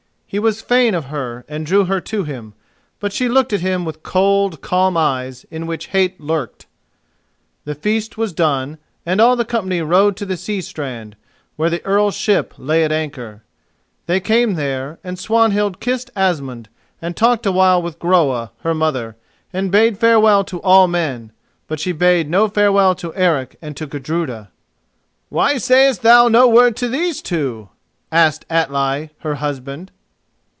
He was fain of her and drew her to him, but she looked at him with cold calm eyes in which hate lurked. The feast was done, and all the company rode to the sea strand, where the Earl's ship lay at anchor. They came there, and Swanhild kissed Asmund, and talked a while with Groa, her mother, and bade farewell to all men. But she bade no farewell to Eric and to Gudruda. "Why sayest thou no word to these two?" asked Atli, her husband.